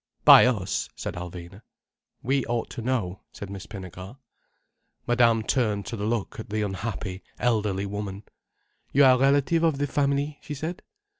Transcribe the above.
"By us," said Alvina. "We ought to know," said Miss Pinnegar. Madame turned to look at the unhappy, elderly woman. "You are a relative of the family?" she said.